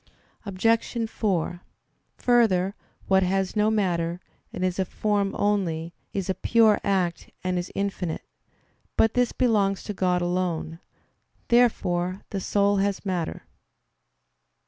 Obj. 4: Further, what has no matter, and is a form only, is a pure act, and is infinite. But this belongs to God alone. Therefore the soul has matter.